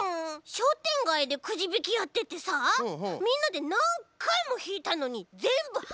しょうてんがいでくじびきやっててさみんなでなんかいもひいたのにぜんぶはずれだったんだよ。